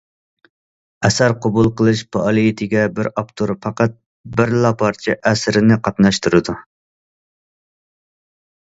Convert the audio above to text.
ئەسەر قوبۇل قىلىش پائالىيىتىگە بىر ئاپتور پەقەت بىرلا پارچە ئەسىرىنى قاتناشتۇرىدۇ.